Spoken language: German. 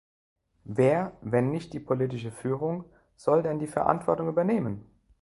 Wer, wenn nicht die politische Führung, soll denn die Verantwortung übernehmen?